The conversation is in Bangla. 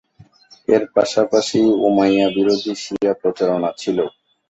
এর পাশাপাশি উমাইয়া বিরোধী শিয়া প্রচারণা ছিল।